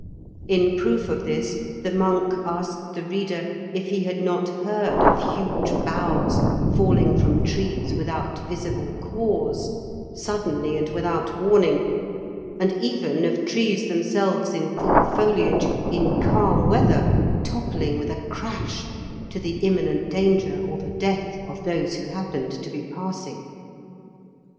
In proof of this the monk asked the reader if he had not heard of huge boughs falling from trees without visible cause, suddenly and without warning, and even of trees themselves in full foliage, in calm weather, toppling with a crash, to the imminent danger or the death of those who happened to be passing.